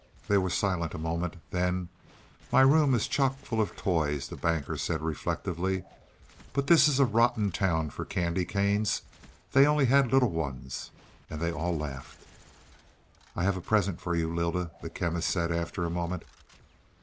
They were silent a moment. Then: "My room is chock full of toys," the Banker said reflectively. "But this is a rotten town for candy canes they only had little ones." And they all laughed. "I have a present for you, Lylda," the Chemist said after a moment.